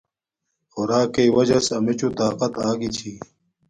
خوراکݵ وجس امیے چوں طاقت آگی چھی